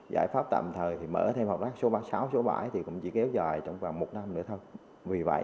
giải pháp tạm thời thì mở thêm hộp rác số sáu số bảy thì cũng chỉ kéo dài trong khoảng một năm nữa thôi